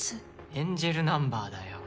エンジェルナンバーだよ。